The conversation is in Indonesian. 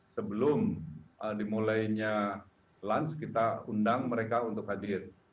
sebelum dimulainya lunch kita undang mereka untuk hadir